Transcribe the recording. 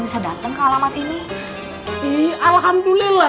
bisa datang ke alamat ini alhamdulillah